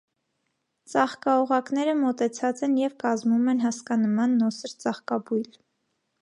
Ծաղկաօղակները մոտեցած են և կազմում են հասկանման նոսր ծաղկաբույլ։